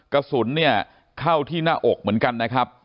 กระสุนเนี่ยเข้าที่หน้าอกเหมือนกันนะครับ